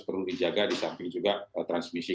perlu dijaga di samping juga transmisi